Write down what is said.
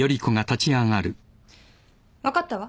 分かったわ。